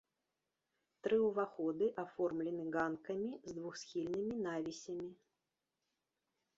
Тры ўваходы аформлены ганкамі з двухсхільнымі навісямі.